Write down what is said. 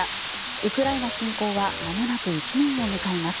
ウクライナ侵攻はまもなく１年を迎えます。